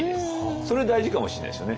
それ大事かもしれないですよね。